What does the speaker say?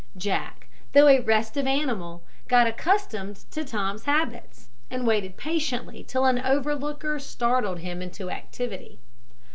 Jack, though a restive animal, got accustomed to Tom's habits, and waited patiently till an overlooker startled him into activity.